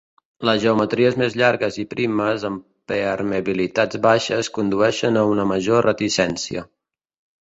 Les geometries més llargues i primes amb permeabilitats baixes condueixen a una major reticència.